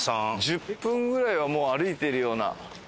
１０分ぐらいはもう歩いてるような。